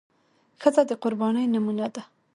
ښځه د قربانۍ نمونه ده.